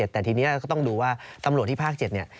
แต่ทีนี้ก็ต้องดูว่าตำรวจที่ภาค๗เนี่ย